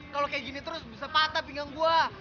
kalo kayak gini terus bisa patah pinggang gue